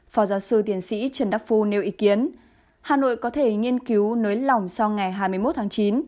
phó giáo sư tiến sĩ trần đắc phu nêu ý kiến hà nội có thể nghiên cứu nới lỏng sau ngày hai mươi một tháng chín